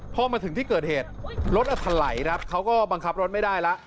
พอมาถึงที่เกิดเหตุรถถลายครับเขาก็บังคับรถไม่ได้แล้ว